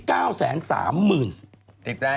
ติดได้มั้ยเนี่ย